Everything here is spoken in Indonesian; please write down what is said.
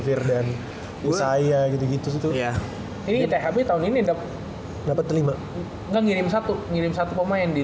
firdan usaya gitu gitu tuh ya ini thb tahun ini dapat lima nggak ngirim satu ngirim satu pemain di